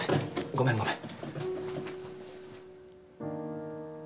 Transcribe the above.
ごめんごめん。